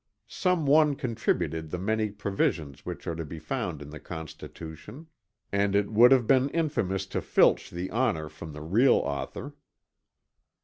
Some one contributed the many provisions which are to be found in the Constitution, and it would have been infamous to filch the honor from the real author.